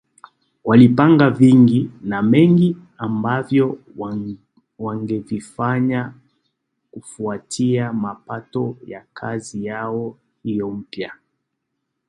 Walipanga vingi na mengi ambavyo wangevifanya kufuatia mapato ya kazi yao hiyo mpya